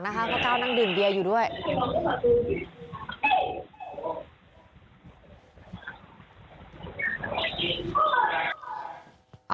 ตำรวจมาก็ไล่ตามกล้องมูลจอมปิดมาเจอแล้วแหละ